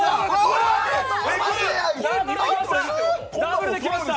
ダブルで来ました。